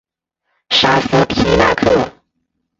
沙斯皮纳克。